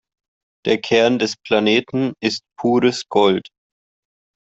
Der Kern des Planeten ist pures Gold.